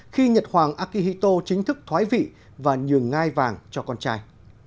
khi nhật hoàng akihito chính thức thoái vị và nhường ngai vàng cho con trai